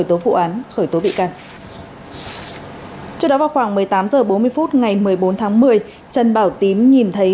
tố vụ án khởi tố bị can trước đó vào khoảng một mươi tám h bốn mươi phút ngày một mươi bốn tháng một mươi trần bảo tín nhìn thấy